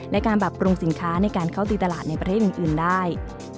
และการปรับปรุงสินค้าในการเข้าตีตลาดในประเทศอื่นได้